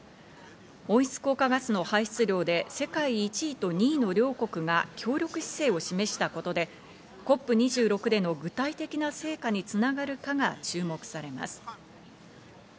温室効果ガスの排出量で世界１位と２位の両国が協力姿勢を示したことでＣＯＰ２６での具体的な成果につながるかが注目されます。